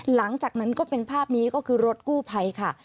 หลังจากนั้นก็เป็นภาพนี้ก็คือรถกู้ภัยค่ะ